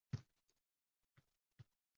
Uyqusizlikka uchraganman.